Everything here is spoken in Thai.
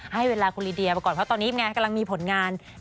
ให้เวลาคุณลีเดียไปก่อนเพราะตอนนี้กำลังมีผลงาน